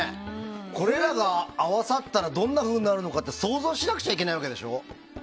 これらが合わさったらどんなふうになるのか想像しなくちゃいけないわけでしょう。